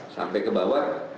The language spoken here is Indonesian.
sampai ke bawah